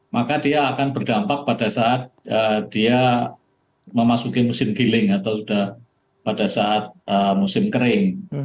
maka dia akan berdampak pada saat dia memasuki musim giling atau sudah pada saat musim kering